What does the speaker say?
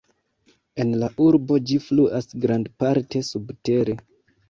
En la urbo ĝi fluas grandparte subtere.